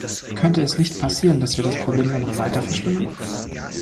Könnte es nicht passieren, dass wir das Problem nur noch weiter verschlimmern?